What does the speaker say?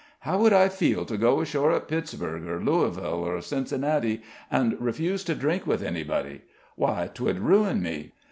How would I feel to go ashore at Pittsburgh or Louisville or Cincinnati, and refuse to drink with anybody? Why, 'twould ruin me.